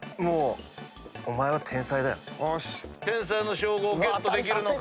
天才の称号をゲットできるのか？